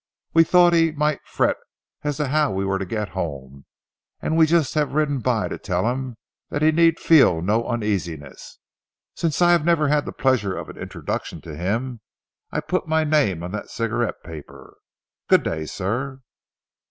We thought he might fret as to how we were to get home, and we have just ridden by to tell him that he need feel no uneasiness. Since I have never had the pleasure of an introduction to him, I've put my name on that cigarette paper. Good day, sir."